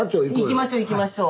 行きましょう行きましょう。